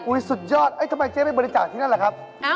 อุ๊ยสุดยอดทำไมเจ๊ไปบริจักษ์ที่นั่นหรือครับ